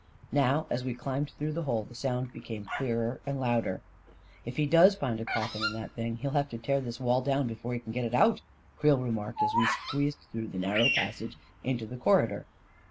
Now, as we climbed through the hole, the sound came clearer and louder. " If he does find a coffin in that thing, he'll have to tear this wall down before he can get it out/' Creel remarked, as we squeezed through the narrow passage into the corridor.